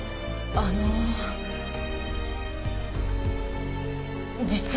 あの実は。